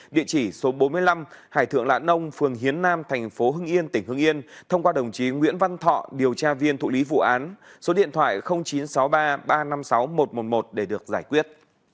địa chỉ số bốn mươi năm hải thượng lã nông phường hiến nam thành phố hưng yên tỉnh hưng yên thông qua đồng chí nguyễn văn thọ điều tra viên thụ lý vụ án số điện thoại chín trăm sáu mươi ba ba trăm năm mươi sáu một trăm một mươi một để được giải quyết